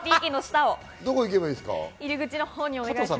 どこ行けばいいですか？